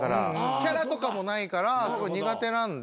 キャラとかもないからすごい苦手なんで。